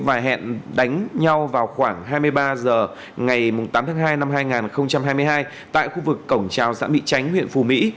và hẹn đánh nhau vào khoảng hai mươi ba h ngày tám tháng hai năm hai nghìn hai mươi hai tại khu vực cổng trào xã mỹ chánh huyện phù mỹ